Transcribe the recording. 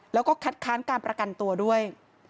แล้วก็คัดค้านการประกันตัวด้วย